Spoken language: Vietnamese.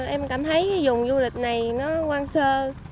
em cảm thấy cái dùng du lịch này nó quang sơ